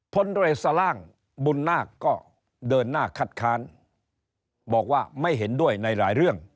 พลเรสล่างบุญนาคก็เดินหน้าคัดค้านบอกว่าไม่เห็นด้วยในหลายเรื่อง